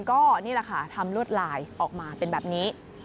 ก็นี่แหละค่ะทำลวดลายออกมาเป็นแบบนี้